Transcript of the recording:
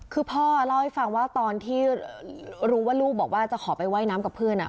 คือพ่อเล่าให้ฟังว่าตอนที่รู้ว่าลูกบอกว่าจะขอไปว่ายน้ำกับเพื่อน